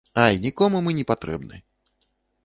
Ай, нікому мы не патрэбны.